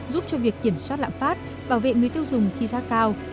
giúp cho việc kiểm soát lạm phát bảo vệ người tiêu dùng khi giá cao